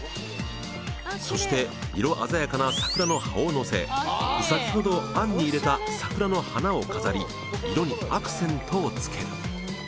そして色鮮やかな桜の葉をのせ先ほど餡に入れた桜の花を飾り色にアクセントをつける。